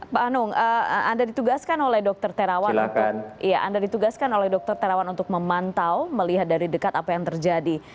pak anung anda ditugaskan oleh dr terawan untuk memantau melihat dari dekat apa yang terjadi